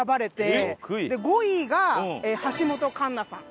５位が橋本環奈さん。